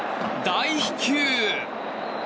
大飛球！